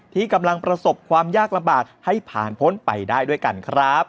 ที่กำลังประสบความยากลำบากให้ผ่านพ้นไปได้ด้วยกันครับ